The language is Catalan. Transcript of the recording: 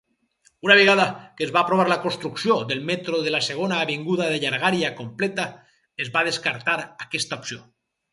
Una vegada que es va aprovar la construcció del metro de la Segona Avinguda de llargària completa, es va descartar aquesta opció.